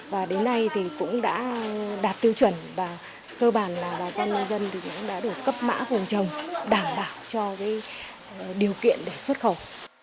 và đến nay cũng đã đạt tiêu chuẩn và cơ bản là bà con nông dân đã được cấp mã của chồng đảm bảo cho điều kiện để xuất khẩu